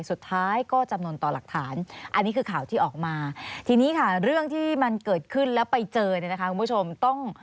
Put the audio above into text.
สุดท้ายก็จำนวนต่อหลักฐานอันนี้คือข่าวที่ออกมาทีนี้ค่ะเรื่องที่มันเกิดขึ้นแล้วไปเจอเนี่ยนะคะคุณผู้ชมต้อง